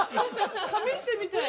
試してみたい。